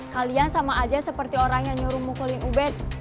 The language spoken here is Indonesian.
kalian sama aja seperti orang yang nyuruh mukulin ubed